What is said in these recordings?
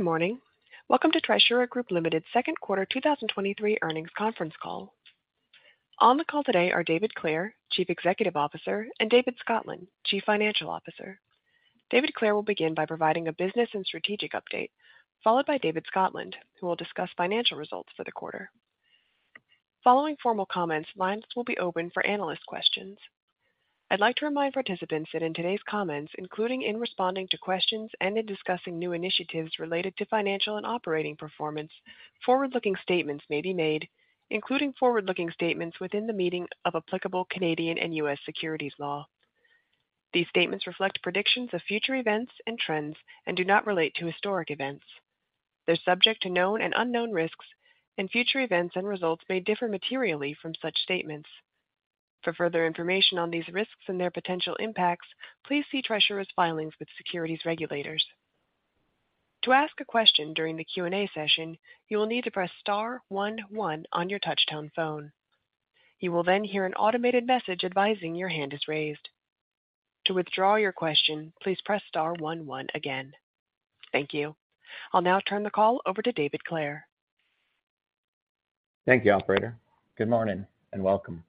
Good morning. Welcome to Trisura Group Ltd.'s second quarter 2023 earnings conference call. On the call today are David Clare, Chief Executive Officer, and David Scotland, Chief Financial Officer. David Clare will begin by providing a business and strategic update, followed by David Scotland, who will discuss financial results for the quarter. Following formal comments, lines will be open for analyst questions. I'd like to remind participants that in today's comments, including in responding to questions and in discussing new initiatives related to financial and operating performance, forward-looking statements may be made, including forward-looking statements within the meaning of applicable Canadian and U.S. securities law. These statements reflect predictions of future events and trends and do not relate to historic events. They're subject to known and unknown risks, and future events and results may differ materially from such statements. For further information on these risks and their potential impacts, please see Trisura's filings with securities regulators. To ask a question during the Q&A session, you will need to press star one one on your touchtone phone. You will then hear an automated message advising your hand is raised. To withdraw your question, please press star one one again. Thank you. I'll now turn the call over to David Clare. Thank you, operator. Good morning, and welcome.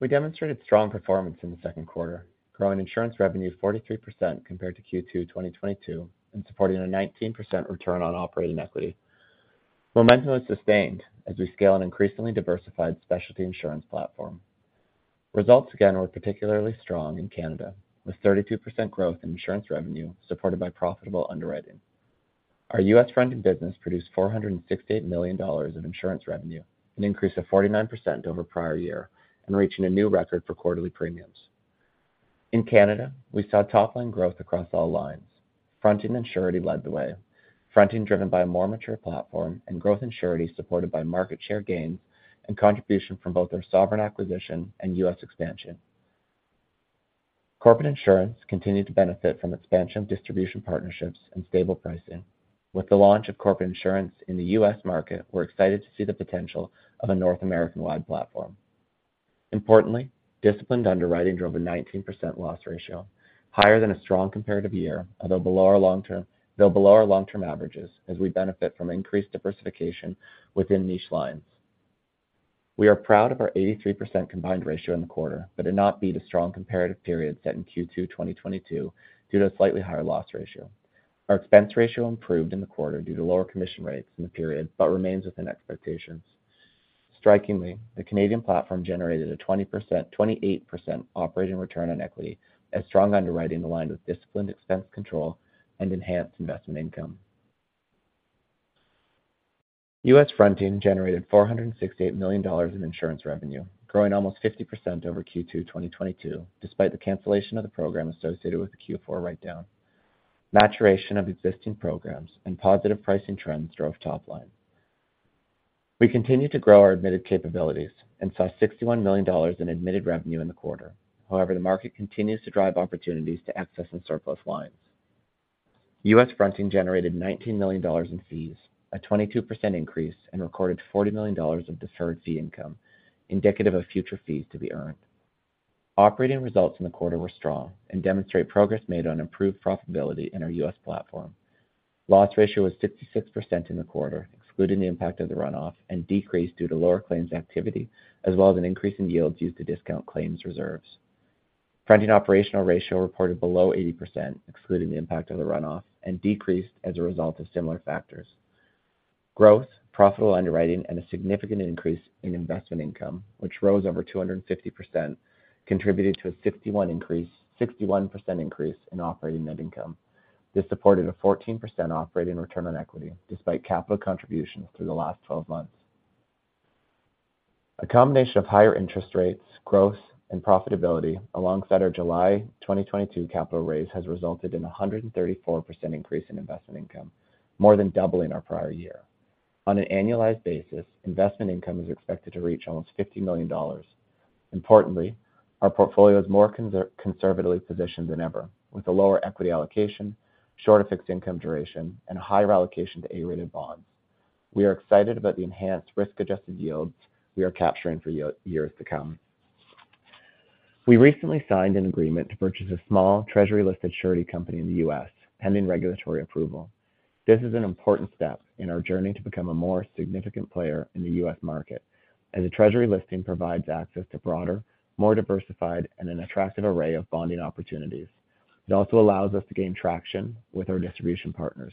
We demonstrated strong performance in the second quarter, growing insurance revenue 43% compared to Q2 2022 and supporting a 19% return on operating equity. Momentum was sustained as we scale an increasingly diversified specialty insurance platform. Results again were particularly strong in Canada, with 32% growth in insurance revenue supported by profitable underwriting. Our US fronting business produced $468 million of insurance revenue, an increase of 49% over prior year and reaching a new record for quarterly premiums. In Canada, we saw top line growth across all lines. Fronting and surety led the way, fronting driven by a more mature platform and growth in surety, supported by market share gains and contribution from both our Sovereign acquisition and US expansion. Corporate insurance continued to benefit from expansion, distribution partnerships and stable pricing. With the launch of corporate insurance in the US market, we're excited to see the potential of a North American-wide platform. Importantly, disciplined underwriting drove a 19% loss ratio, higher than a strong comparative year, although below our long-term averages, as we benefit from increased diversification within niche lines. We are proud of our 83% combined ratio in the quarter, but did not beat a strong comparative period set in Q2 2022 due to a slightly higher loss ratio. Our expense ratio improved in the quarter due to lower commission rates in the period, but remains within expectations. Strikingly, the Canadian platform generated a 28% operating return on equity, as strong underwriting aligned with disciplined expense control and enhanced investment income. US fronting generated $468 million in insurance revenue, growing almost 50% over Q2 2022, despite the cancellation of the program associated with the Q4 write-down. Maturation of existing programs and positive pricing trends drove top line. We continued to grow our admitted capabilities and saw $61 million in admitted revenue in the quarter. However, the market continues to drive opportunities to excess and surplus lines. US fronting generated $19 million in fees, a 22% increase, and recorded $40 million of deferred fee income, indicative of future fees to be earned. Operating results in the quarter were strong and demonstrate progress made on improved profitability in our US platform. Loss ratio was 66% in the quarter, excluding the impact of the runoff, and decreased due to lower claims activity, as well as an increase in yields used to discount claims reserves. Fronting operating ratio reported below 80%, excluding the impact of the runoff, and decreased as a result of similar factors. Growth, profitable underwriting, and a significant increase in investment income, which rose over 250%, contributed to a 61% increase in operating net income. This supported a 14% operating return on equity, despite capital contributions through the last 12 months. A combination of higher interest rates, growth, and profitability alongside our July 2022 capital raise has resulted in a 134% increase in investment income, more than doubling our prior year. On an annualized basis, investment income is expected to reach almost 50 million dollars. Importantly, our portfolio is more conservatively positioned than ever, with a lower equity allocation, shorter fixed income duration, and a higher allocation to A-rated bonds. We are excited about the enhanced risk-adjusted yields we are capturing for years to come. We recently signed an agreement to purchase a small Treasury-listed surety company in the US, pending regulatory approval. This is an important step in our journey to become a more significant player in the US market, as a Treasury listing provides access to broader, more diversified, and an attractive array of bonding opportunities. It also allows us to gain traction with our distribution partners.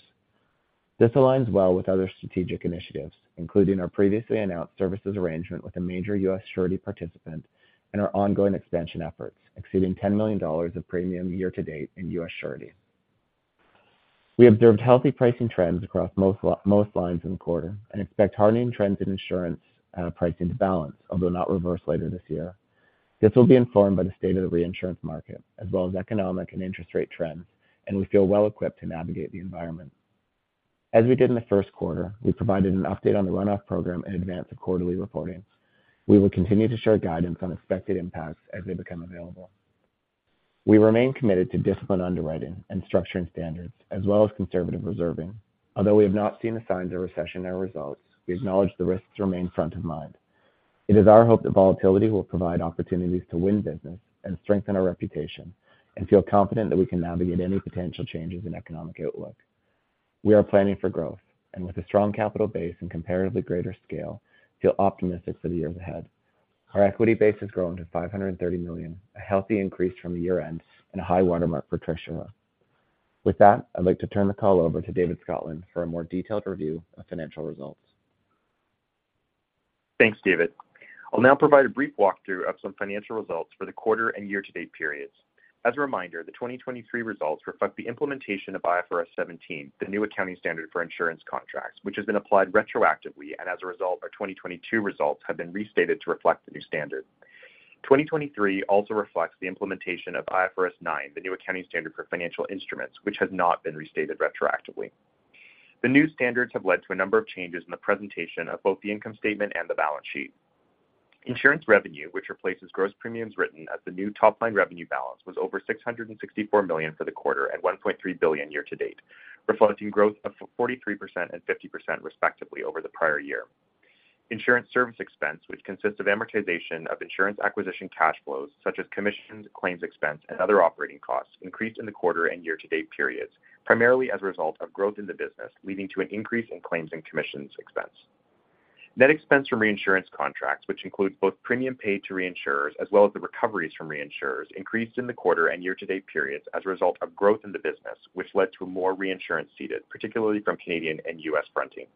This aligns well with other strategic initiatives, including our previously announced services arrangement with a major US surety participant and our ongoing expansion efforts, exceeding $10 million of premium year to date in US surety. We observed healthy pricing trends across most lines in the quarter and expect hardening trends in insurance pricing to balance, although not reverse later this year. This will be informed by the state of the reinsurance market, as well as economic and interest rate trends, and we feel well equipped to navigate the environment. As we did in the first quarter, we provided an update on the runoff program in advance of quarterly reporting. We will continue to share guidance on expected impacts as they become available. We remain committed to disciplined underwriting and structuring standards, as well as conservative reserving. Although we have not seen the signs of recession in our results, we acknowledge the risks remain front of mind. It is our hope that volatility will provide opportunities to win business and strengthen our reputation, feel confident that we can navigate any potential changes in economic outlook. We are planning for growth, with a strong capital base and comparatively greater scale, feel optimistic for the years ahead. Our equity base has grown to 530 million, a healthy increase from the year-end and a high watermark for Trisura. With that, I'd like to turn the call over to David Scotland for a more detailed review of financial results. Thanks, David. I'll now provide a brief walkthrough of some financial results for the quarter and year-to-date periods. As a reminder, the 2023 results reflect the implementation of IFRS 17, the new accounting standard for insurance contracts, which has been applied retroactively. As a result, our 2022 results have been restated to reflect the new standard. 2023 also reflects the implementation of IFRS 9, the new accounting standard for financial instruments, which has not been restated retroactively. The new standards have led to a number of changes in the presentation of both the income statement and the balance sheet. Insurance revenue, which replaces gross premiums written as the new top-line revenue balance, was over $664 million for the quarter and $1.3 billion year to date, reflecting growth of 43% and 50%, respectively, over the prior year. Insurance service expense, which consists of amortization of insurance acquisition cash flows, such as commissions, claims expense, and other operating costs, increased in the quarter and year-to-date periods, primarily as a result of growth in the business, leading to an increase in claims and commissions expense. Net expense from reinsurance contracts, which includes both premium paid to reinsurers as well as the recoveries from reinsurers, increased in the quarter and year-to-date periods as a result of growth in the business, which led to more reinsurance ceded, particularly from Canadian and US fronting.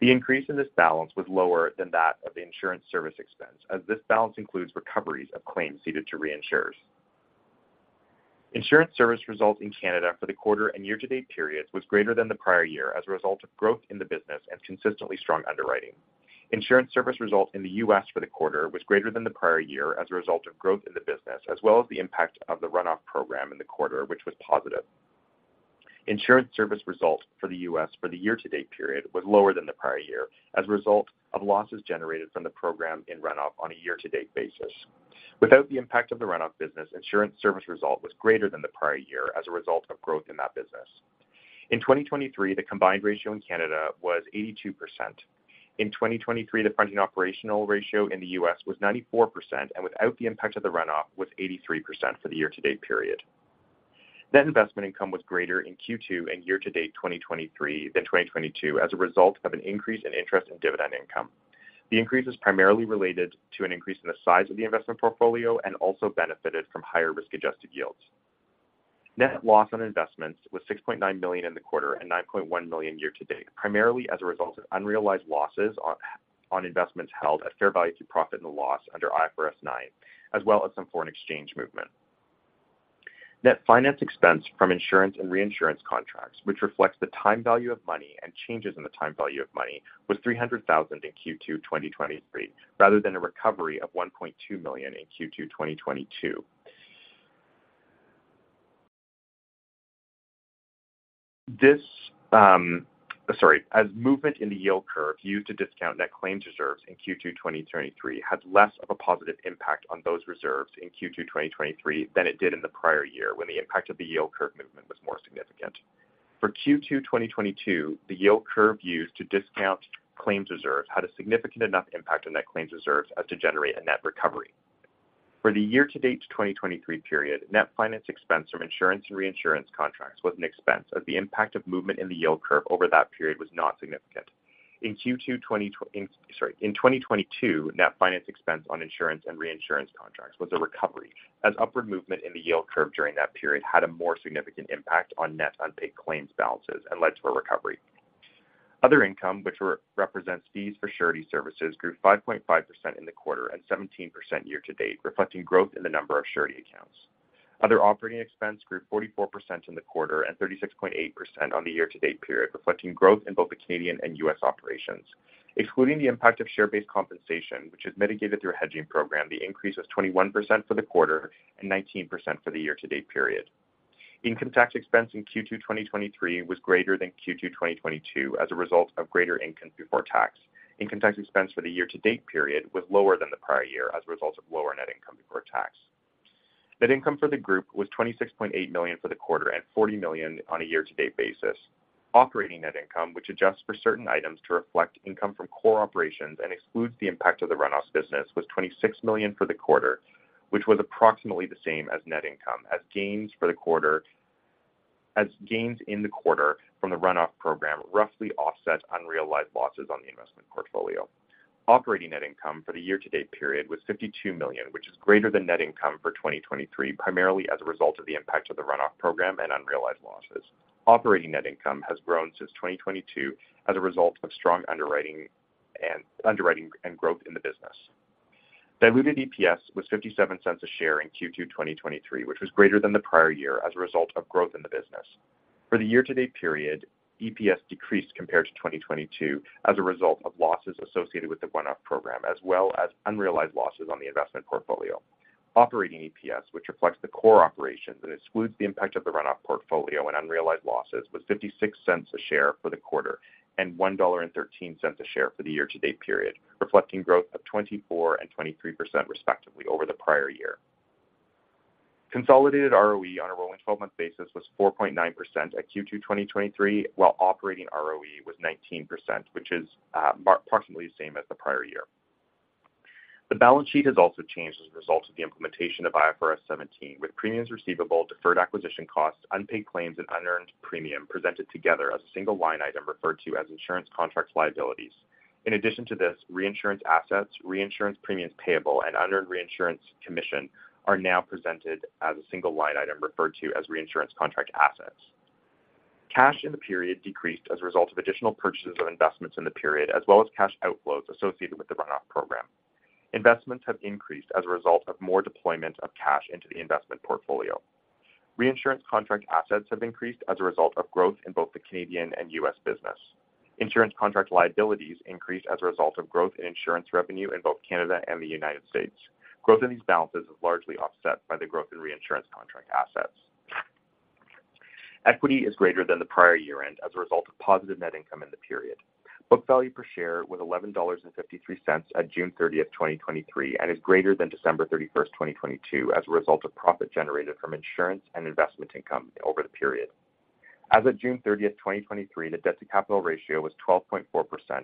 The increase in this balance was lower than that of the Insurance service expense, as this balance includes recoveries of claims ceded to reinsurers. Insurance service result in Canada for the quarter and year-to-date periods was greater than the prior year as a result of growth in the business and consistently strong underwriting. Insurance service result in the US for the quarter was greater than the prior year as a result of growth in the business, as well as the impact of the runoff program in the quarter, which was positive. Insurance service results for the US for the year-to-date period was lower than the prior year as a result of losses generated from the program in runoff on a year-to-date basis. Without the impact of the runoff business, insurance service result was greater than the prior year as a result of growth in that business. In 2023, the combined ratio in Canada was 82%. In 2023, the fronting operating ratio in the US was 94%, and without the impact of the runoff, was 83% for the year-to-date period. Net investment income was greater in Q2 and year-to-date 2023 than 2022, as a result of an increase in interest and dividend income. The increase is primarily related to an increase in the size of the investment portfolio and also benefited from higher risk-adjusted yields. Net loss on investments was 6.9 million in the quarter and 9.1 million year-to-date, primarily as a result of unrealized losses on investments held at fair value to profit and loss under IFRS 9, as well as some foreign exchange movement. Net finance expense from insurance and reinsurance contracts, which reflects the time value of money and changes in the time value of money, was 300,000 in Q2 2023, rather than a recovery of 1.2 million in Q2 2022. This. Sorry. As movement in the yield curve used to discount net claims reserves in Q2 2023 had less of a positive impact on those reserves in Q2 2023 than it did in the prior year, when the impact of the yield curve movement was more significant. For Q2 2022, the yield curve used to discount claims reserves had a significant enough impact on net claims reserves as to generate a net recovery. For the year-to-date 2023 period, net finance expense from insurance and reinsurance contracts was an expense, as the impact of movement in the yield curve over that period was not significant. In Q2 in 2022, net finance expense on insurance and reinsurance contracts was a recovery, as upward movement in the yield curve during that period had a more significant impact on net unpaid claims balances and led to a recovery. Other income, which represents fees for surety services, grew 5.5% in the quarter and 17% year-to-date, reflecting growth in the number of surety accounts. Other operating expense grew 44% in the quarter and 36.8% on the year-to-date period, reflecting growth in both the Canadian and US operations. Excluding the impact of share-based compensation, which is mitigated through a hedging program, the increase was 21% for the quarter and 19% for the year-to-date period. Income tax expense in Q2 2023 was greater than Q2 2022 as a result of greater income before tax. Income tax expense for the year-to-date period was lower than the prior year as a result of lower net income before tax. Net income for the group was 26.8 million for the quarter and 40 million on a year-to-date basis. Operating net income, which adjusts for certain items to reflect income from core operations and excludes the impact of the runoff business, was 26 million for the quarter, which was approximately the same as net income, as gains in the quarter from the runoff program roughly offset unrealized losses on the investment portfolio. Operating net income for the year-to-date period was 52 million, which is greater than net income for 2023, primarily as a result of the impact of the runoff program and unrealized losses. Operating net income has grown since 2022 as a result of strong underwriting and underwriting and growth in the business. Diluted EPS was 0.57 a share in Q2 2023, which was greater than the prior year as a result of growth in the business. For the year-to-date period, EPS decreased compared to 2022 as a result of losses associated with the runoff program, as well as unrealized losses on the investment portfolio. Operating EPS, which reflects the core operations and excludes the impact of the runoff portfolio and unrealized losses, was CAD $0.56 a share for the quarter and CAD $1.13 a share for the year-to-date period, reflecting growth of 24% and 23%, respectively, over the prior year. consolidated ROE on a rolling 12-month basis was 4.9% at Q2 2023, while operating ROE was 19%, which is approximately the same as the prior year. The balance sheet has also changed as a result of the implementation of IFRS 17, with premiums receivable, deferred acquisition costs, unpaid claims, and unearned premium presented together as a single line item referred to as insurance contract liabilities. In addition to this, reinsurance assets, reinsurance premiums payable, and unearned reinsurance commission are now presented as a single line item referred to as reinsurance contract assets. Cash in the period decreased as a result of additional purchases of investments in the period as well as cash outflows associated with the run-off program. Investments have increased as a result of more deployment of cash into the investment portfolio. Reinsurance contract assets have increased as a result of growth in both the Canadian and US business. insurance contract liabilities increased as a result of growth in insurance revenue in both Canada and the United States. Growth in these balances is largely offset by the growth in reinsurance contract assets. Equity is greater than the prior year-end as a result of positive net income in the period. Book value per share was $11.53 at June 30th, 2023, and is greater than December 31st, 2022, as a result of profit generated from insurance and investment income over the period. As of June 30th, 2023, the debt-to-capital ratio was 12.4%,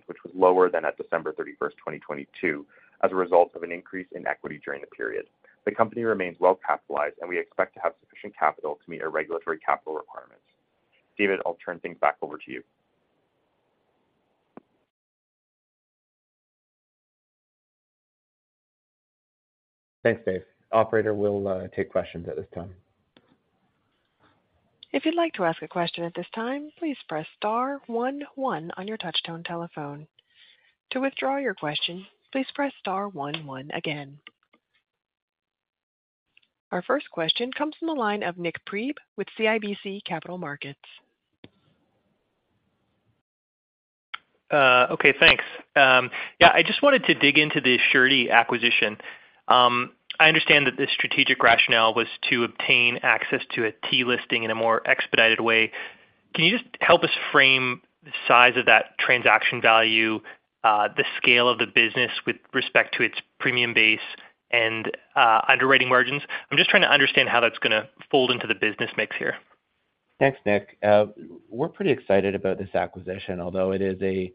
which was lower than at December 31st, 2022, as a result of an increase in equity during the period. The company remains well capitalized, and we expect to have sufficient capital to meet our regulatory capital requirements. David, I'll turn things back over to you. Thanks, Dave. Operator, we'll take questions at this time. If you'd like to ask a question at this time, please press star one one on your touchtone telephone. To withdraw your question, please press star one one again. Our first question comes from the line of Nik Priebe with CIBC Capital Markets. Okay, thanks. Yeah, I just wanted to dig into the surety acquisition. I understand that the strategic rationale was to obtain access to a T-listing in a more expedited way. Can you just help us frame the size of that transaction value, the scale of the business with respect to its premium base and underwriting margins? I'm just trying to understand how that's gonna fold into the business mix here. Thanks, Nick. We're pretty excited about this acquisition, although it is a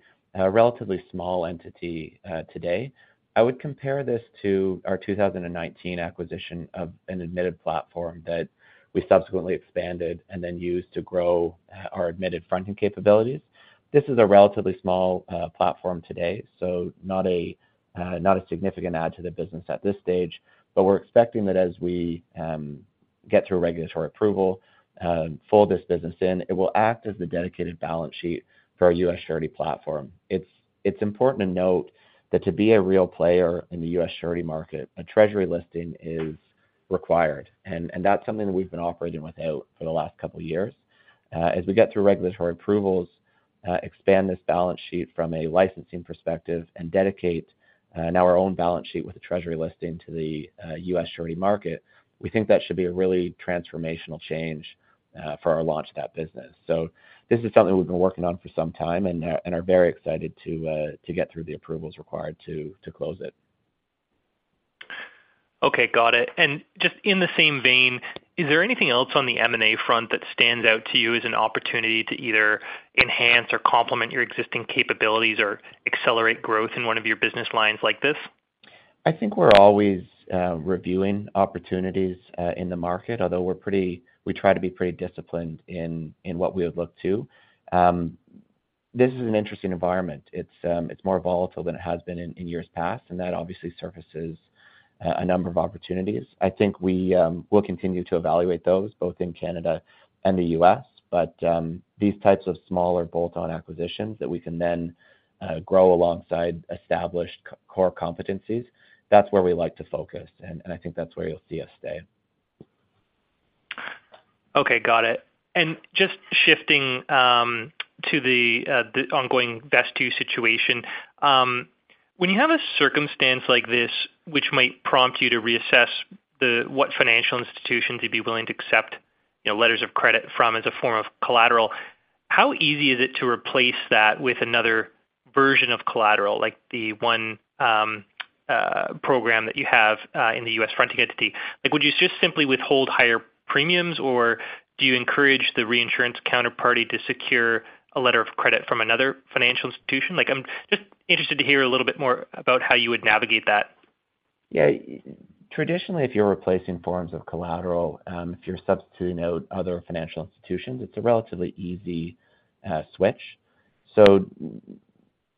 relatively small entity today. I would compare this to our 2019 acquisition of an admitted platform that we subsequently expanded and then used to grow our admitted fronting capabilities. This is a relatively small platform today, so not a not a significant add to the business at this stage, but we're expecting that as we get through regulatory approval, fold this business in, it will act as the dedicated balance sheet for our US surety platform. It's important to note that to be a real player in the US surety market, a treasury listing is required, and that's something that we've been operating without for the last couple of years. As we get through regulatory approvals, expand this balance sheet from a licensing perspective and dedicate, now our own balance sheet with a Treasury listing to the US surety market, we think that should be a really transformational change for our launch of that business. This is something we've been working on for some time and are very excited to get through the approvals required to close it. Okay, got it. Just in the same vein, is there anything else on the M&A front that stands out to you as an opportunity to either enhance or complement your existing capabilities or accelerate growth in one of your business lines like this? I think we're always reviewing opportunities in the market, although we're pretty-- we try to be pretty disciplined in what we would look to. This is an interesting environment. It's more volatile than it has been in years past, and that obviously surfaces a number of opportunities. I think we will continue to evaluate those, both in Canada and the US, but these types of smaller bolt-on acquisitions that we can then grow alongside established core competencies, that's where we like to focus, and I think that's where you'll see us stay. Okay, got it. Just shifting to the ongoing B-2 situation. When you have a circumstance like this, which might prompt you to reassess what financial institutions you'd be willing to accept, you know, letters of credit from as a form of collateral, how easy is it to replace that with another version of collateral, like the one program that you have in the U.S. fronting entity? Like, would you just simply withhold higher premiums, or do you encourage the reinsurance counterparty to secure a letter of credit from another financial institution? Like, I'm just interested to hear a little bit more about how you would navigate that. Yeah. Traditionally, if you're replacing forms of collateral, if you're substituting out other financial institutions, it's a relatively easy switch.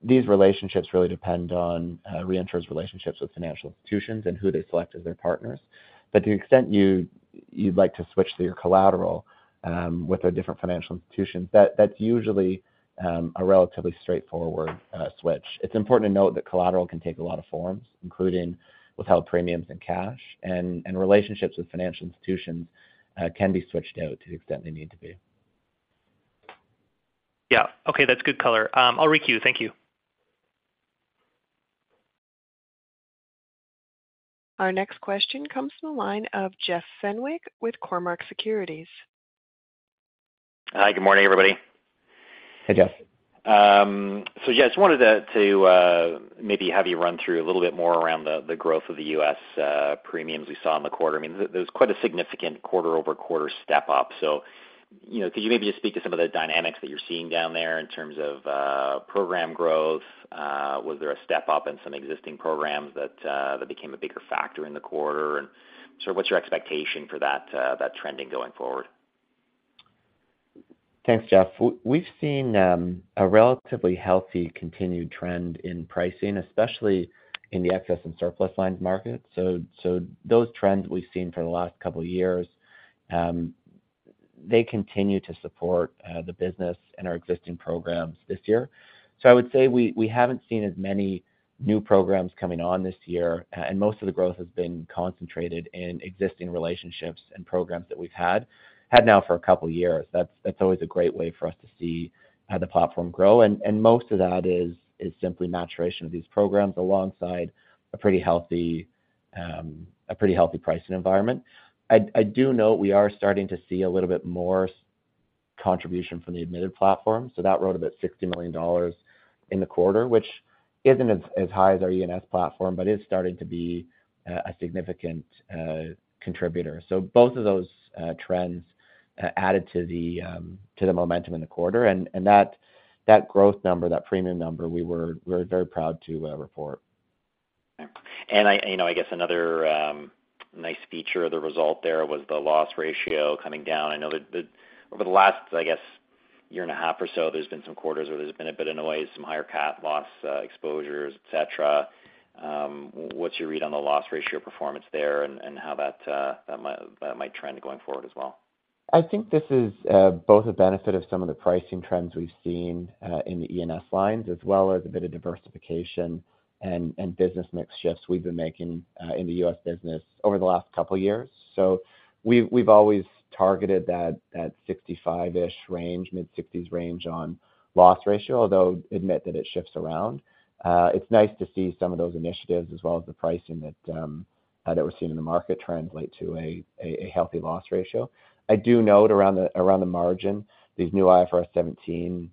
These relationships really depend on reinsurers' relationships with financial institutions and who they select as their partners. To the extent you'd, you'd like to switch to your collateral with a different financial institution, that's usually a relatively straightforward switch. It's important to note that collateral can take a lot of forms, including withheld premiums and cash, and, and relationships with financial institutions can be switched out to the extent they need to be. Yeah. Okay, that's good color. I'll requeue. Thank you. Our next question comes from the line of Jeff Fenwick with Cormark Securities. Hi, good morning, everybody. Hey, Jeff. So yeah, just wanted to, to maybe have you run through a little bit more around the growth of the U.S. premiums we saw in the quarter. I mean, there was quite a significant quarter-over-quarter step up. You know, could you maybe just speak to some of the dynamics that you're seeing down there in terms of program growth? Was there a step up in some existing programs that became a bigger factor in the quarter? What's your expectation for that trending going forward? Thanks, Jeff. We, we've seen a relatively healthy continued trend in pricing, especially in the excess and surplus lines market. Those trends we've seen for the last couple of years, they continue to support the business and our existing programs this year. I would say we, we haven't seen as many new programs coming on this year, and most of the growth has been concentrated in existing relationships and programs that we've had, had now for a couple of years. That's, that's always a great way for us to see how the platform grow. And most of that is, is simply maturation of these programs alongside a pretty healthy, a pretty healthy pricing environment. I, I do note we are starting to see a little bit more contribution from the admitted platform, so that wrote about $60 million in the quarter, which isn't as, as high as our ENS platform, but is starting to be a significant contributor. Both of those trends added to the momentum in the quarter, and, and that, that growth number, that premium number, we were very, very proud to report. I, you know, I guess another, nice feature of the result there was the loss ratio coming down. I know that over the last, I guess, year and a half or so, there's been some quarters where there's been a bit of noise, some higher cat loss exposures, et cetera. What's your read on the loss ratio performance there and, and how that, that might, that might trend going forward as well? I think this is both a benefit of some of the pricing trends we've seen in the ENS lines, as well as a bit of diversification and business mix shifts we've been making in the US business over the last couple of years. We've, we've always targeted that, that 65-ish range, mid-60s range on loss ratio, although admit that it shifts around. It's nice to see some of those initiatives as well as the pricing that we're seeing in the market translate to a healthy loss ratio. I do note around the, around the margin, these new IFRS 17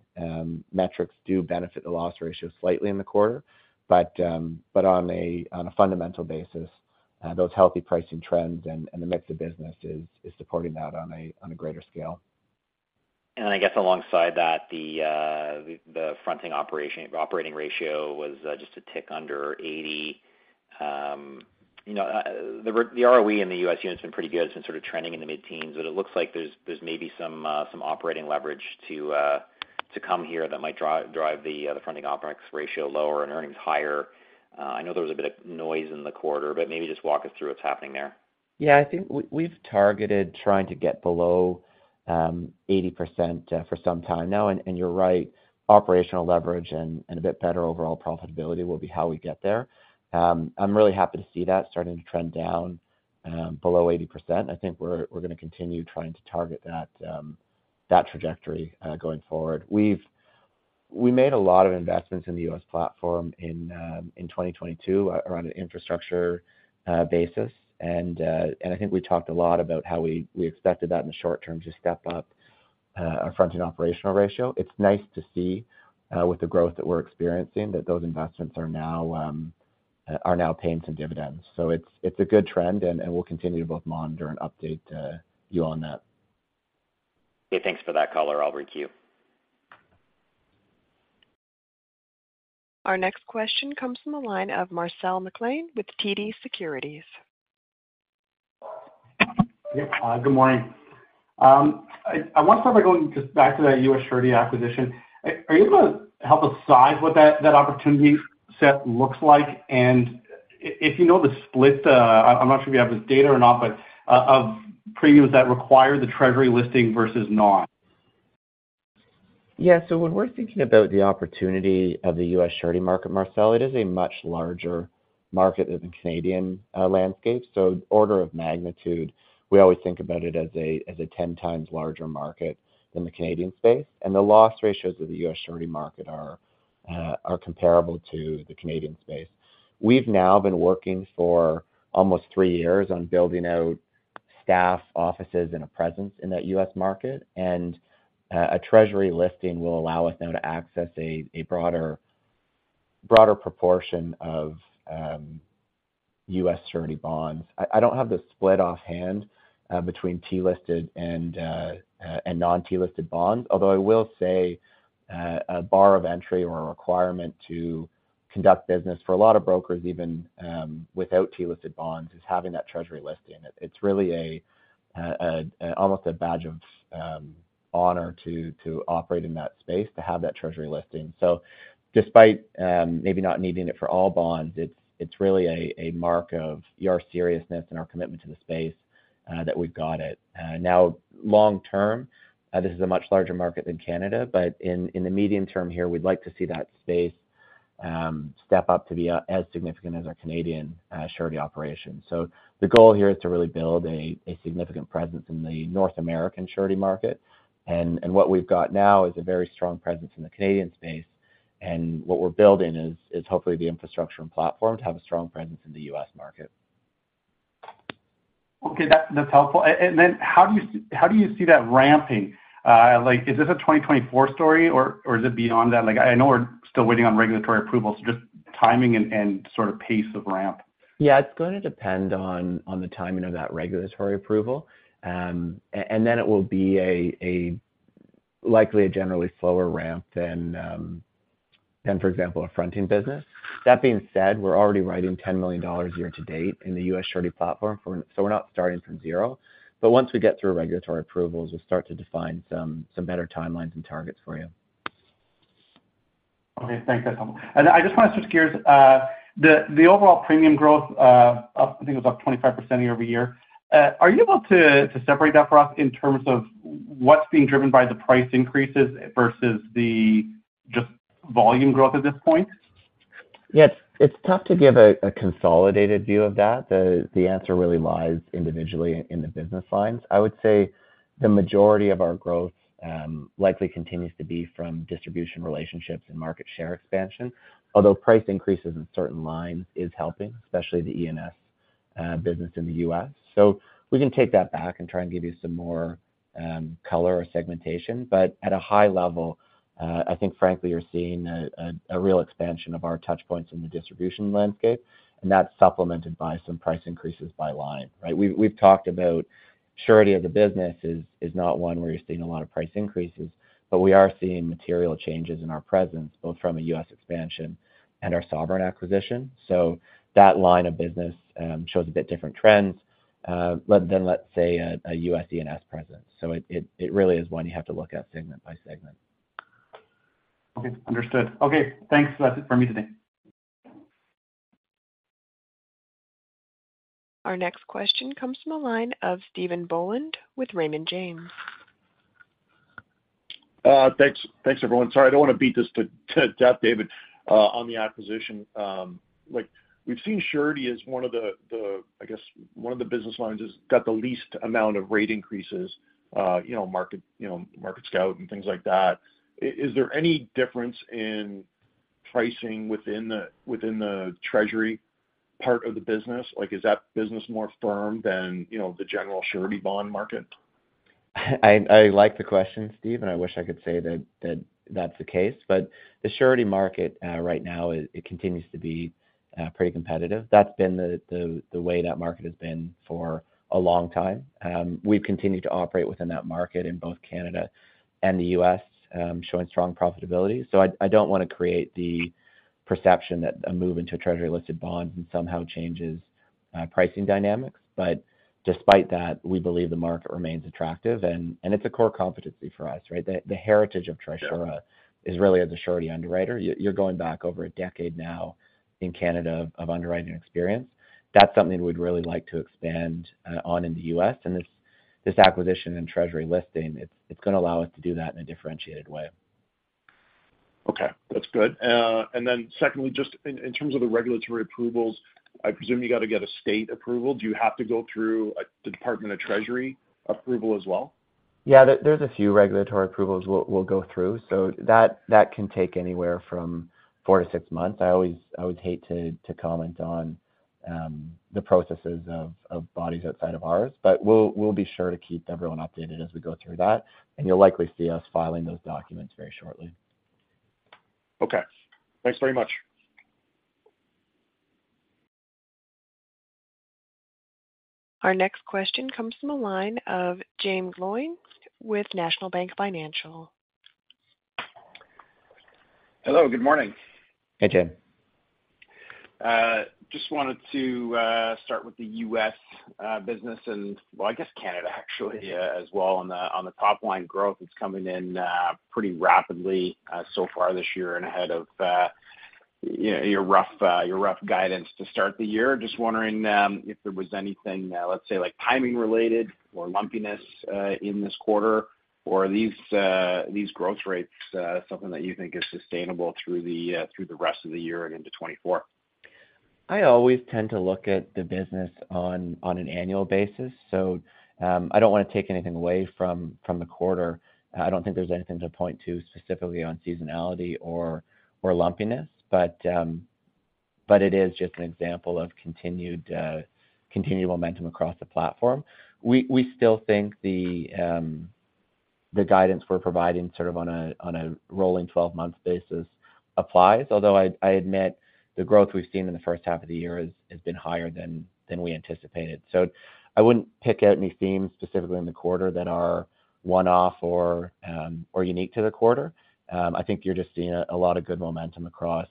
metrics do benefit the loss ratio slightly in the quarter, but on a fundamental basis, those healthy pricing trends and the mix of business is supporting that on a greater scale. I guess alongside that, the fronting operating ratio was just a tick under 80. You know, the ROE in the U.S. unit has been pretty good, since sort of trending in the mid-teens, but it looks like there's, there's maybe some operating leverage to come here that might drive the fronting operations ratio lower and earnings higher. I know there was a bit of noise in the quarter, but maybe just walk us through what's happening there? Yeah, I think we, we've targeted trying to get below 80% for some time now. You're right, operational leverage and a bit better overall profitability will be how we get there. I'm really happy to see that starting to trend down below 80%. I think we're, we're going to continue trying to target that trajectory going forward. We made a lot of investments in the US platform in 2022 around an infrastructure basis. I think we talked a lot about how we, we expected that in the short term to step up our fronting operating ratio. It's nice to see, with the growth that we're experiencing, that those investments are now paying some dividends. It's, it's a good trend, and, and we'll continue to both monitor and update, you on that. Okay, thanks for that color, I'll requeue. Our next question comes from the line of Marcel McLean with TD Securities. Yeah, good morning. I, I want to start by going just back to that US Surety acquisition. Are you able to help us size what that opportunity set looks like? And if you know the split, I'm not sure if you have this data or not, but of premiums that require the Treasury listing versus not. Yeah. When we're thinking about the opportunity of the US Surety market, Marcel, it is a much larger market than the Canadian landscape. Order of magnitude, we always think about it as a, as a 10 times larger market than the Canadian space. The loss ratios of the US Surety market are comparable to the Canadian space. We've now been working for almost three years on building out staff, offices, and a presence in that US market, and a Treasury listing will allow us now to access a, a broader, broader proportion of US Surety bonds. I, I don't have the split offhand between T-listed and non-T-listed bonds. Although I will say, a bar of entry or a requirement to conduct business for a lot of brokers, even, without T-listed bonds, is having that Treasury listing. It's really almost a badge of honor to, to operate in that space, to have that treasury listing. Despite maybe not needing it for all bonds, it's, it's really a, a mark of our seriousness and our commitment to the space that we've got it. Long term, this is a much larger market than Canada, but in, in the medium term here, we'd like to see that space step up to be as significant as our Canadian surety operation. The goal here is to really build a, a significant presence in the North American surety market. What we've got now is a very strong presence in the Canadian space, and what we're building is, is hopefully the infrastructure and platform to have a strong presence in the US market. Okay, that's, that's helpful. How do you how do you see that ramping? Like, is this a 2024 story, or, or is it beyond that? Like, I know we're still waiting on regulatory approval, so just timing and, and sort of pace of ramp. Yeah, it's gonna depend on, on the timing of that regulatory approval. Then it will be a, a likely a generally slower ramp than, than, for example, a fronting business. That being said, we're already writing $10 million year to date in the US Surety platform, so we're not starting from 0. Once we get through regulatory approvals, we'll start to define some, some better timelines and targets for you. Okay, thanks. That's helpful. I just want to just curious, the, the overall premium growth, up, I think it was up 25% year-over-year. Are you able to, to separate that for us in terms of what's being driven by the price increases versus the just volume growth at this point? Yeah, it's, it's tough to give a consolidated view of that. The, the answer really lies individually in the business lines. I would say the majority of our growth likely continues to be from distribution relationships and market share expansion. Although price increases in certain lines is helping, especially the ENS business in the US. We can take that back and try and give you some more color or segmentation, but at a high level, I think frankly, you're seeing a real expansion of our touch points in the distribution landscape, and that's supplemented by some price increases by line, right? We've, we've talked about surety of the business is not one where you're seeing a lot of price increases, but we are seeing material changes in our presence, both from a US expansion and our Sovereign acquisition. That line of business shows a bit different trends than, let's say, a, a US ENS presence. It, it, it really is one you have to look at segment by segment. Okay, understood. Okay, thanks. That's it for me today. Our next question comes from the line of Stephen Boland with Raymond James. Thanks. Thanks, everyone. Sorry, I don't want to beat this to, to death, David, on the acquisition. Like, we've seen Surety as one of the, the, I guess, one of the business lines that's got the least amount of rate increases, you know, MarketScout and things like that. Is there any difference in pricing within the, within the Treasury part of the business? Like, is that business more firm than, you know, the general Surety bond market? I, I like the question, Steve, and I wish I could say that, that that's the case, but the surety market, right now, it continues to be pretty competitive. That's been the, the, the way that market has been for a long time. We've continued to operate within that market in both Canada and the US, showing strong profitability. I, I don't want to create the perception that a move into a Treasury-listed bond somehow changes pricing dynamics. Despite that, we believe the market remains attractive, and, and it's a core competency for us, right? The, the heritage of Trisura- Yeah. is really as a surety underwriter. You, you're going back over a decade now in Canada of underwriting experience. That's something we'd really like to expand on in the US, this, this acquisition and Treasury listing, it's, it's gonna allow us to do that in a differentiated way. Okay, that's good. Secondly, just in, in terms of the regulatory approvals, I presume you got to get a state approval? Do you have to go through the Department of Treasury approval as well? Yeah, there, there's a few regulatory approvals we'll, we'll go through. That, that can take anywhere from 4 to 6 months. I always, I always hate to, to comment on the processes of, of bodies outside of ours, but we'll, we'll be sure to keep everyone updated as we go through that, and you'll likely see us filing those documents very shortly. Okay, thanks very much. Our next question comes from the line of Jaeme Gloyn with National Bank Financial. Hello, good morning. Hey, Jaeme. Just wanted to start with the US business and, well, I guess Canada actually, as well, on the, on the top line growth. It's coming in pretty rapidly so far this year and ahead of, you know, your rough, your rough guidance to start the year. Just wondering if there was anything, let's say, like timing related or lumpiness in this quarter, or are these growth rates something that you think is sustainable through the rest of the year and into 2024? I always tend to look at the business on, on an annual basis. I don't want to take anything away from, from the quarter. I don't think there's anything to point to specifically on seasonality or, or lumpiness, but it is just an example of continued continued momentum across the platform. We, we still think the guidance we're providing sort of on a, on a rolling 12-month basis applies, although I, I admit the growth we've seen in the first half of the year has, has been higher than, than we anticipated. I wouldn't pick out any themes specifically in the quarter that are one-off or unique to the quarter. I think you're just seeing a lot of good momentum across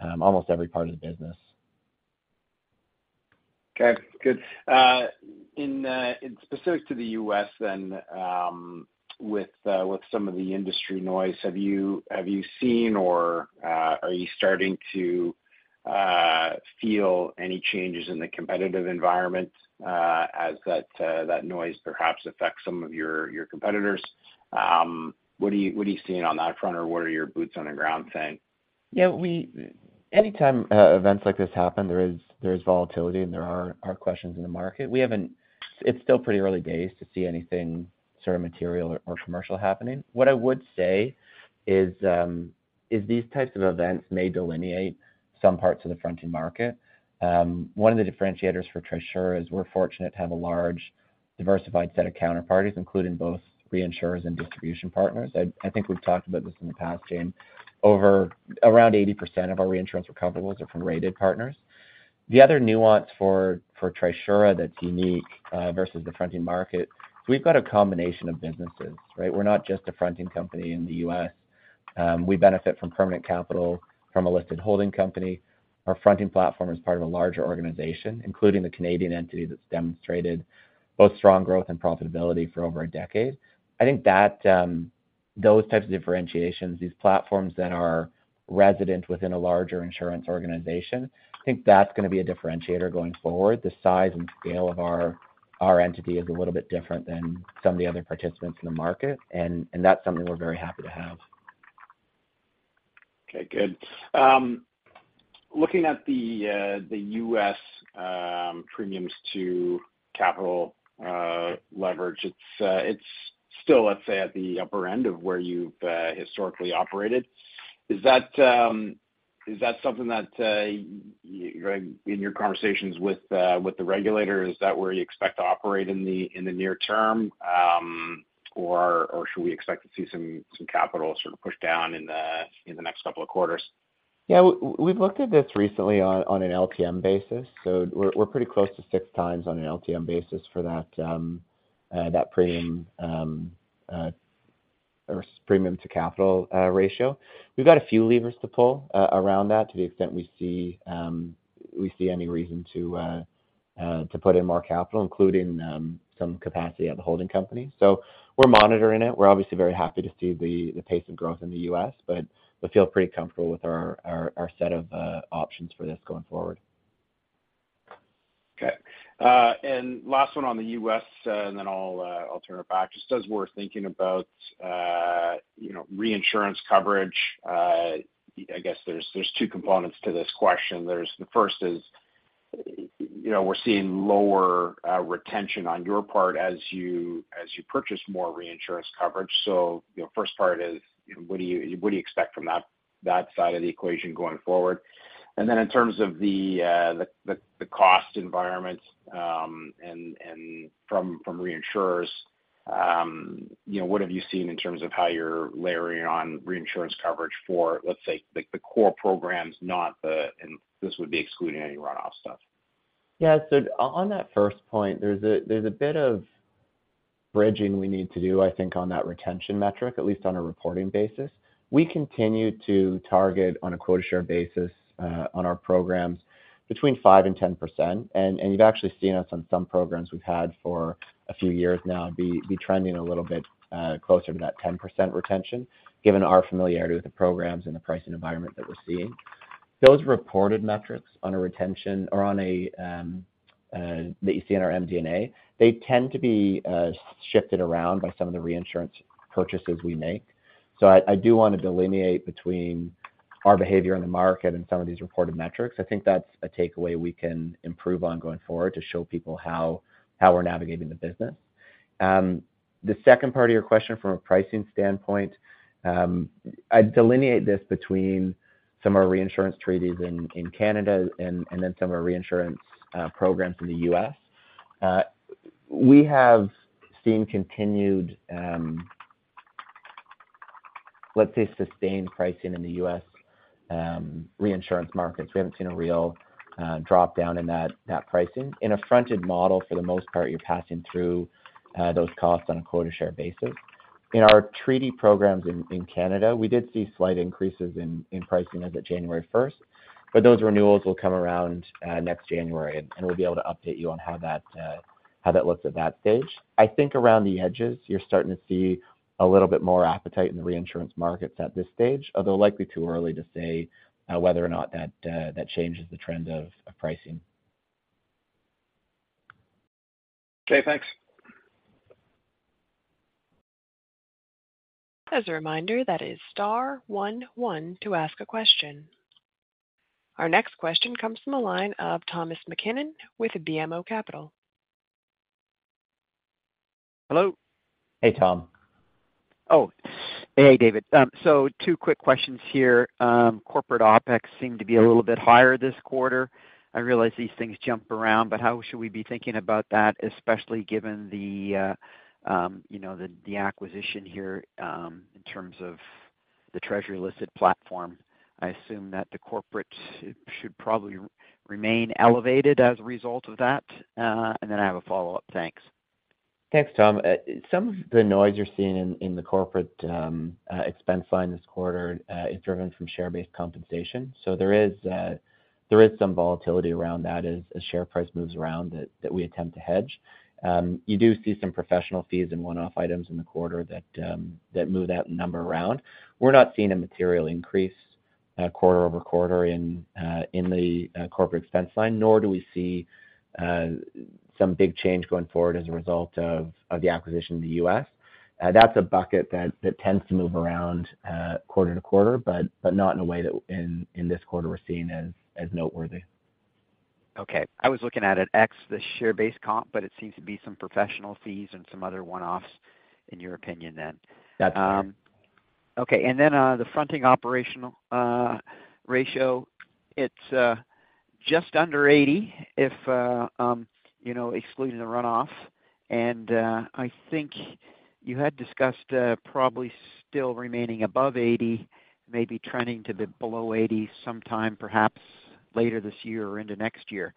almost every part of the business. Okay, good. In specific to the U.S. then, with some of the industry noise, have you, have you seen or, are you starting to feel any changes in the competitive environment, as that, that noise perhaps affects some of your, your competitors? What are you, what are you seeing on that front, or what are your boots on the ground saying? Yeah, we anytime events like this happen, there is, there is volatility, and there are questions in the market. We haven't. It's still pretty early days to see anything sort of material or commercial happening. What I would say is these types of events may delineate some parts of the fronting market. One of the differentiators for Trisura is we're fortunate to have a large, diversified set of counterparties, including both reinsurers and distribution partners. I, I think we've talked about this in the past, James. Over around 80% of our reinsurance recoverables are from rated partners. The other nuance for Trisura that's unique versus the fronting market, we've got a combination of businesses, right? We're not just a fronting company in the US. We benefit from permanent capital from a listed holding company. Our fronting platform is part of a larger organization, including the Canadian entity that's demonstrated both strong growth and profitability for over a decade. I think that those types of differentiations, these platforms that are resident within a larger insurance organization, I think that's gonna be a differentiator going forward. The size and scale of our, our entity is a little bit different than some of the other participants in the market, and, and that's something we're very happy to have. Okay, good. Looking at the U.S. premiums-to-capital leverage, it's still, let's say, at the upper end of where you've historically operated. Is that something that in your conversations with the regulator, is that where you expect to operate in the near term, or should we expect to see some capital sort of push down in the next couple of quarters? Yeah, we've looked at this recently on an LTM basis, so we're pretty close to six times on an LTM basis for that premium, or premiums-to-capital ratio. We've got a few levers to pull around that to the extent we see any reason to put in more capital, including some capacity at the holding company. We're monitoring it. We're obviously very happy to see the pace of growth in the US, but we feel pretty comfortable with our set of options for this going forward. Okay. Last one on the U.S., and then I'll turn it back. Just as we're thinking about, you know, reinsurance coverage, I guess there's two components to this question. There's the first is, you know, we're seeing lower retention on your part as you, as you purchase more reinsurance coverage. You know, first part is, what do you, what do you expect from that, that side of the equation going forward? Then in terms of the cost environment, and from reinsurers, you know, what have you seen in terms of how you're layering on reinsurance coverage for, let's say, like, the core programs, not the... This would be excluding any runoff stuff. On that first point, there's a bit of bridging we need to do, I think, on that retention metric, at least on a reporting basis. We continue to target on a quota share basis on our programs between 5% and 10%. You've actually seen us on some programs we've had for a few years now, be trending a little bit closer to that 10% retention, given our familiarity with the programs and the pricing environment that we're seeing. Those reported metrics on a retention or on a that you see in our MD&A, they tend to be shifted around by some of the reinsurance purchases we make. I, I do want to delineate between our behavior in the market and some of these reported metrics. I think that's a takeaway we can improve on going forward to show people how, how we're navigating the business. The second part of your question, from a pricing standpoint, I'd delineate this between some of our reinsurance treaties in Canada and then some of our reinsurance programs in the US. We have seen continued, let's say, sustained pricing in the US reinsurance markets. We haven't seen a real drop down in that, that pricing. In a fronted model, for the most part, you're passing through those costs on a quota share basis. In our treaty programs in Canada, we did see slight increases in pricing as of January 1st, but those renewals will come around next January, and we'll be able to update you on how that how that looks at that stage. I think around the edges, you're starting to see a little bit more appetite in the reinsurance markets at this stage, although likely too early to say, whether or not that, that changes the trend of, of pricing. Okay, thanks. As a reminder, that is star 11 to ask a question. Our next question comes from the line of Tom MacKinnon with BMO Capital. Hello. Hey, Tom. Oh, hey, David. Two quick questions here. corporate OpEx seem to be a little bit higher this quarter. I realize these things jump around, but how should we be thinking about that, especially given the, you know, the, the acquisition here, in terms of the Treasury-listed platform? I assume that the corporate should probably remain elevated as a result of that. Then I have a follow-up. Thanks. Thanks, Tom. Some of the noise you're seeing in, in the corporate expense line this quarter is driven from share-based compensation. There is, there is some volatility around that as, as share price moves around that, that we attempt to hedge. You do see some professional fees and one-off items in the quarter that move that number around. We're not seeing a material increase, quarter-over-quarter in, in the corporate expense line, nor do we see some big change going forward as a result of, of the acquisition in the US. That's a bucket that, that tends to move around, quarter-to-quarter, but, but not in a way that in, in this quarter we're seeing as, as noteworthy. Okay, I was looking at it X, the share-based comp, but it seems to be some professional fees and some other one-offs in your opinion then? That's correct. Okay. Then, the fronting operating ratio, it's just under 80% if, you know, excluding the runoff. I think you had discussed, probably still remaining above 80%, maybe trending to the below 80% sometime, perhaps later this year or into next year.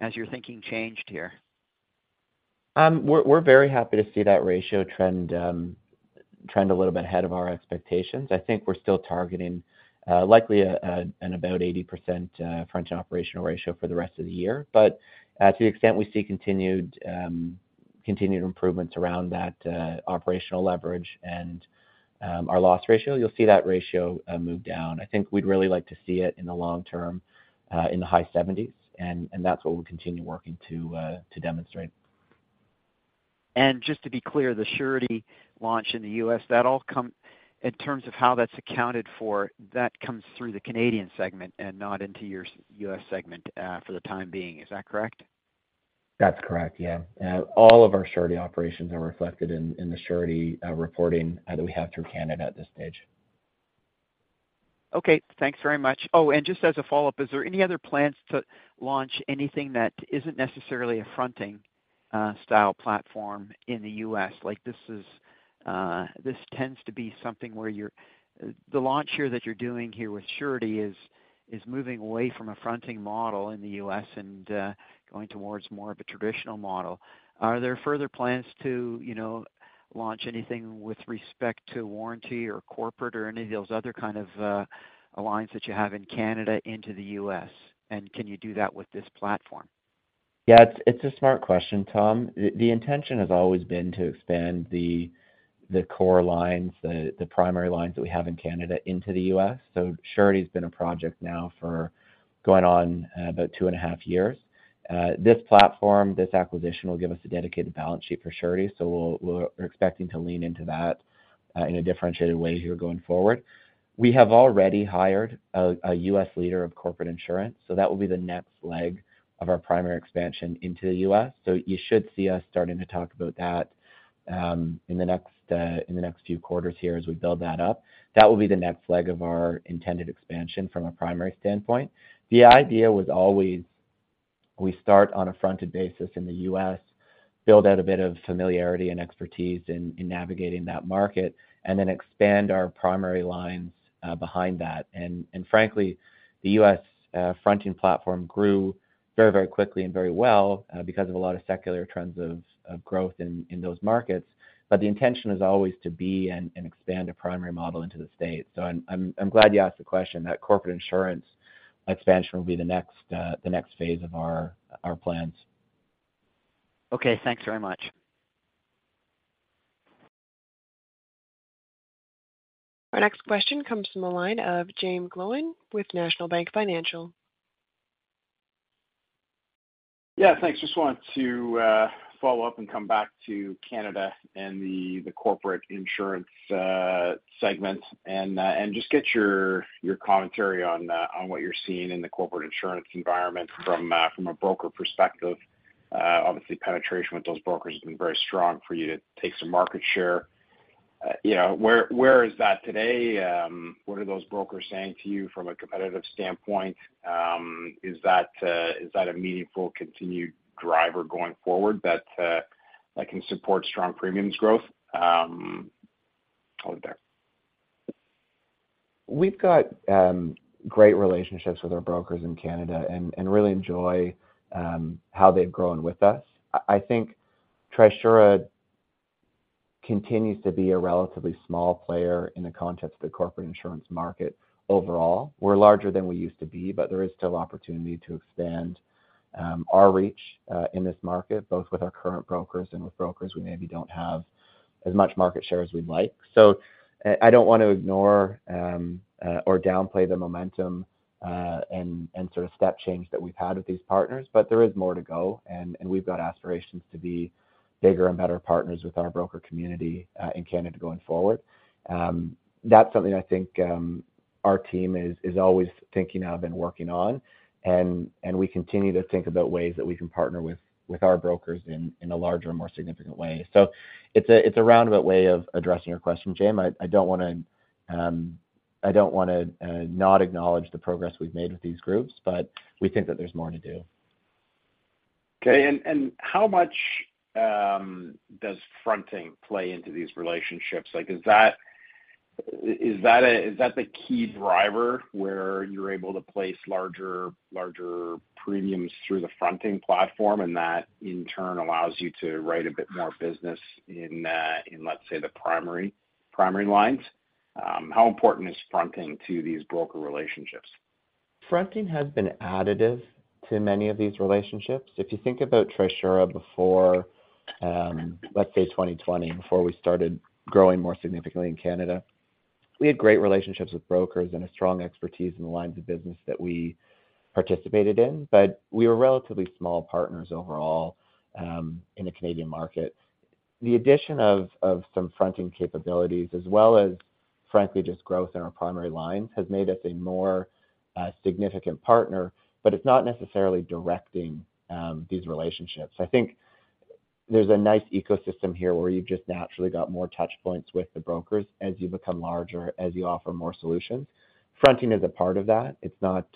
Has your thinking changed here? We're very happy to see that ratio trend trend a little bit ahead of our expectations. I think we're still targeting likely about an 80% fronting operating ratio for the rest of the year. To the extent we see continued continued improvements around that operational leverage and our loss ratio, you'll see that ratio move down. I think we'd really like to see it in the long term in the high 70s, and that's what we'll continue working to demonstrate. Just to be clear, the surety launch in the US, that all come-- in terms of how that's accounted for, that comes through the Canadian segment and not into your s- US segment, for the time being. Is that correct? That's correct, yeah. All of our surety operations are reflected in, in the surety reporting that we have through Canada at this stage. Okay, thanks very much. Oh, and just as a follow-up, is there any other plans to launch anything that isn't necessarily a fronting style platform in the US? Like, this is, this tends to be something where the launch here that you're doing here with surety is, is moving away from a fronting model in the US and, going towards more of a traditional model. Are there further plans to, you know, launch anything with respect to warranty or corporate or any of those other kind of alliance that you have in Canada into the US, and can you do that with this platform? Yeah, it's, it's a smart question, Tom. The intention has always been to expand the core lines, the primary lines that we have in Canada into the US. Surety has been a project now for going on about 2.5 years. This platform, this acquisition, will give us a dedicated balance sheet for Surety, so we're expecting to lean into that in a differentiated way here going forward. We have already hired a US leader of corporate insurance, so that will be the next leg of our primary expansion into the US. You should see us starting to talk about that in the next in the next few quarters here as we build that up. That will be the next leg of our intended expansion from a primary standpoint. The idea was always, we start on a fronted basis in the US, build out a bit of familiarity and expertise in navigating that market, then expand our primary lines, behind that. Frankly, the US fronting platform grew very, very quickly and very well, because of a lot of secular trends of growth in those markets. The intention is always to be and expand a primary model into the States. I'm, I'm, I'm glad you asked the question. That corporate insurance expansion will be the next phase of our plans. Okay, thanks very much. Our next question comes from the line of Jaeme Gloyn with National Bank Financial. Yeah, thanks. Just wanted to follow up and come back to Canada and the, the corporate insurance segment, and just get your, your commentary on what you're seeing in the corporate insurance environment from from a broker perspective. Obviously, penetration with those brokers has been very strong for you to take some market share. You know, where, where is that today? What are those brokers saying to you from a competitive standpoint? Is that, is that a meaningful continued driver going forward that, that can support strong premiums growth over there? We've got great relationships with our brokers in Canada and, and really enjoy how they've grown with us. I, I think Trisura continues to be a relatively small player in the context of the corporate insurance market overall. We're larger than we used to be, but there is still opportunity to expand our reach in this market, both with our current brokers and with brokers who maybe don't have as much market share as we'd like. I don't want to ignore or downplay the momentum and, and sort of step change that we've had with these partners, but there is more to go, and, and we've got aspirations to be bigger and better partners with our broker community in Canada going forward. That's something I think, our team is, is always thinking of and working on, and, and we continue to think about ways that we can partner with, with our brokers in, in a larger, more significant way. It's a, it's a roundabout way of addressing your question, Jaeme. I, I don't want to, I don't want to not acknowledge the progress we've made with these groups, but we think that there's more to do. Okay, and, and how much does fronting play into these relationships? Like, is that, is that a, is that the key driver where you're able to place larger, larger premiums through the fronting platform, and that in turn allows you to write a bit more business in, in, let's say, the primary, primary lines? How important is fronting to these broker relationships? Fronting has been additive to many of these relationships. If you think about Trisura before, let's say 2020, before we started growing more significantly in Canada, we had great relationships with brokers and a strong expertise in the lines of business that we participated in, but we were relatively small partners overall, in the Canadian market. The addition of some fronting capabilities as well as frankly, just growth in our primary lines, has made us a more significant partner, but it's not necessarily directing these relationships. I think there's a nice ecosystem here where you've just naturally got more touch points with the brokers as you become larger, as you offer more solutions. Fronting is a part of that. It's not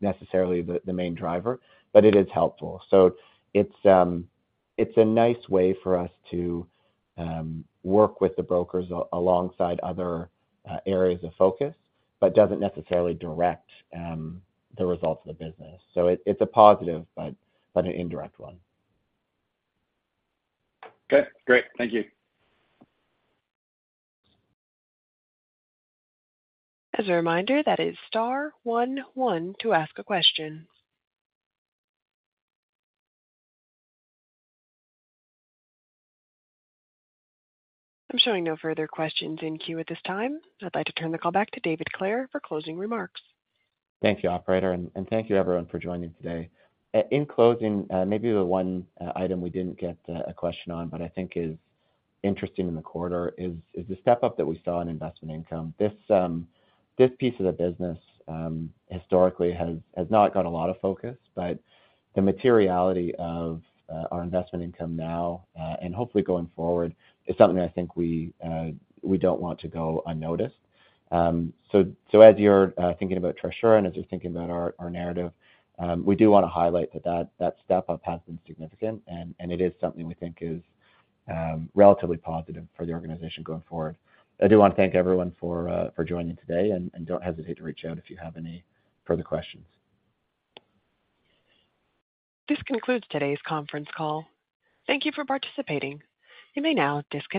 necessarily the main driver, but it is helpful. It's, it's a nice way for us to, work with the brokers alongside other, areas of focus, but doesn't necessarily direct, the results of the business. It, it's a positive, but, but an indirect one. Okay, great. Thank you. As a reminder, that is star one one to ask a question. I'm showing no further questions in queue at this time. I'd like to turn the call back to David Clare for closing remarks. Thank you, operator, and, and thank you everyone for joining today. In closing, maybe the one item we didn't get a, a question on, but I think is interesting in the quarter is, is the step up that we saw in investment income. This piece of the business historically has, has not got a lot of focus, but the materiality of our investment income now, and hopefully going forward, is something I think we don't want to go unnoticed. So as you're thinking about Trisura and as you're thinking about our, our narrative, we do want to highlight that, that, that step up has been significant, and, and it is something we think is relatively positive for the organization going forward. I do want to thank everyone for, for joining today, and don't hesitate to reach out if you have any further questions. This concludes today's conference call. Thank you for participating. You may now disconnect.